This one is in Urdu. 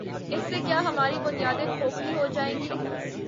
اس سے کیا ہماری بنیادیں کھوکھلی ہو جائیں گی؟